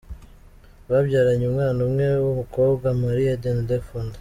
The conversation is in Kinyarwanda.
Babyaranye umwana umwe w’umukobwa, Marie-Éden Lafond.